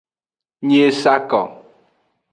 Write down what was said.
Nyi e sa ko.